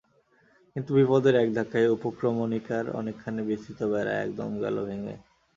কিন্তু বিপদের এক ধাক্কায় উপক্রমণিকার অনেকখানি বিস্তৃত বেড়া এক দমে গেল ভেঙে।